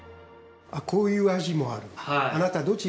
こういう味もある